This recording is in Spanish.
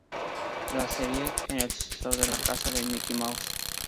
La serie es el sucesor de "La casa de Mickey Mouse".